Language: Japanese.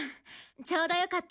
ちょうどよかった。